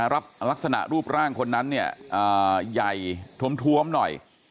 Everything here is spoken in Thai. ลักษณะรูปร่างคนนั้นเนี่ยใหญ่ท้วมหน่อย